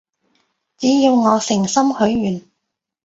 只要我誠心許願